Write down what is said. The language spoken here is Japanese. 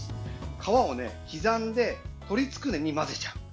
皮を刻んで鶏つくねに混ぜちゃう。